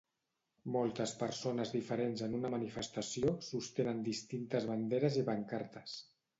Moltes persones diferents en una manifestació sostenen distintes banderes i pancartes.